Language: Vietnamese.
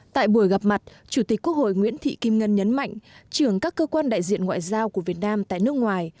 tại buổi gặp mặt chủ tịch quốc hội nguyễn thị kim ngân nhấn mạnh trưởng các cơ quan đại diện ngoại giao của việt nam tại nước ngoài